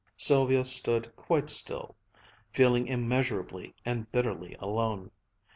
Sylvia stood quite still, feeling immeasurably and bitterly alone.